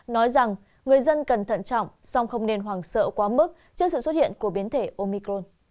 nói rằng người dân cần thận trọng song không nên hoảng sợ quá mức trước sự xuất hiện của biến thể omicron